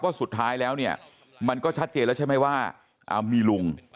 สุดท้ายแล้วเนี่ยมันก็ชัดเจนแล้วใช่ไหมว่ามีลุง